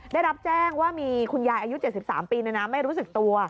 ได้รับแจ้งว่ามีคุณยายอายุ๗๓ปีไม่รู้สึกตัว